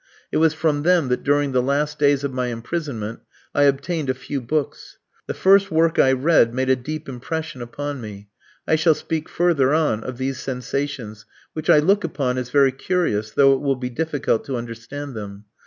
It was from them that during the last days of my imprisonment I obtained a few books. The first work I read made a deep impression upon me. I shall speak further on of these sensations, which I look upon as very curious, though it will be difficult to understand them.